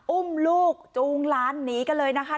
อุ้มลูกจูงล้านหนีกันเลยนะคะ